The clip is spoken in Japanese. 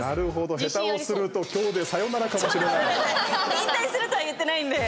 引退するとは言ってないんで。